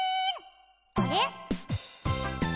あれ？